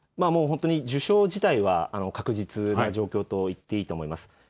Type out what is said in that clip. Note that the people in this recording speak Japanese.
受賞自体は確実な状況と言っていいと思います。